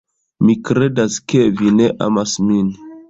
Mi kredas ke vi ne amas min.